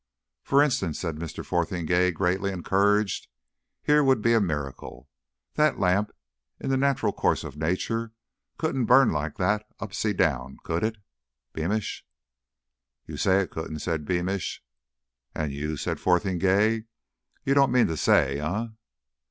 "For instance," said Mr. Fotheringay, greatly encouraged. "Here would be a miracle. That lamp, in the natural course of nature, couldn't burn like that upsy down, could it, Beamish?" "You say it couldn't," said Beamish. "And you?" said Fotheringay. "You don't mean to say eh?"